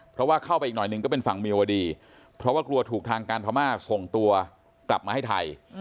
เพราะว่าเข้าไปอีกหน่อยหนึ่งก็เป็นฝั่งเมียวดีเพราะว่ากลัวถูกทางการพม่าส่งตัวกลับมาให้ไทย